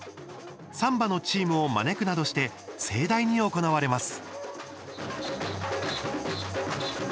サンバのチームを招くなどして盛大に行われます。